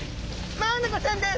マアナゴちゃんです。